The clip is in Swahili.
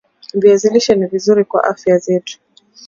viazi lishe ni vizuri kwa afya zetu